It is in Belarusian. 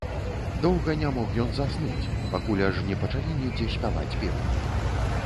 Доўга не мог ён заснуць, пакуль аж не пачалі недзе спяваць пеўні.